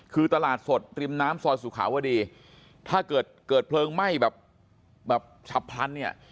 คือตลาดสดริมน้ำซอยสุขาวดีถ้าเกิดเกิดเพลิงไหม้แบบฉับพลันเนี่ย